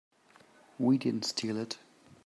We didn't steal it.